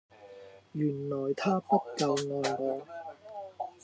原來她不夠愛我